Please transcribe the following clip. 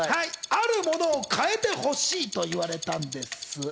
あるものを変えてほしいって言われたんです。